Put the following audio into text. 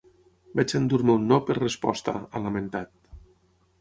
Vaig endur-me un “no” per resposta, ha lamentat.